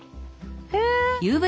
へえ。